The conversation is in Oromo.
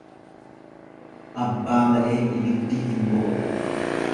Abbaa malee ibiddi hin boba'u.